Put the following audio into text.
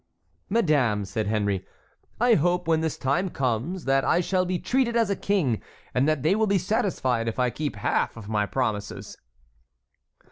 "Madame," said Henry, "I hope when this time comes that I shall be treated as a king, and that they will be satisfied if I keep half of my promises."